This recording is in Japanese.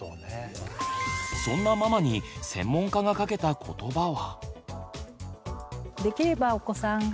そんなママに専門家がかけた言葉は。